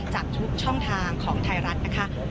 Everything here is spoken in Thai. จากทุกช่องทางของไทยรัฐนะคะ